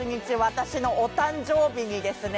私のお誕生日にですね